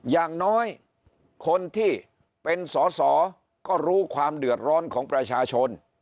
อย่างน้อยคนที่เป็นสอสอก็รู้ความเดือดร้อนของประชาชน